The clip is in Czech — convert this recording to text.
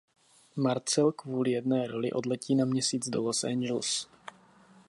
Marcel kvůli jedné roli odletí na měsíc do Los Angeles.